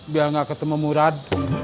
biar gak ketemu murad